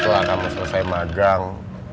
selama kamu selesai magang